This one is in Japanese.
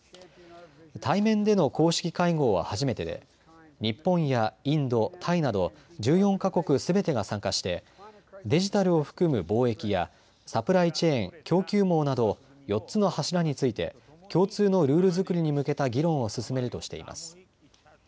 対面での公式会合は初めてで日本やインド、タイなど１４か国すべてが参加してデジタルを含む貿易やサプライチェーン・供給網など４つの柱について共通のルール作りに向けた議論を進めるとしています。